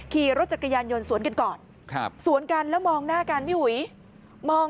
ขี่รถจักรยานยนต์สวนกันก่อนสวนกันแล้วมองหน้ากัน